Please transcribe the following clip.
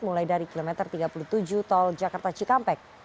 mulai dari kilometer tiga puluh tujuh tol jakarta cikampek